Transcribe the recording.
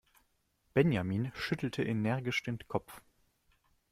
Benjamin schüttelte energisch den Kopf.